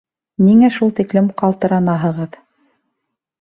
Ниңә шул тиклем ҡалтыранаһығыҙ?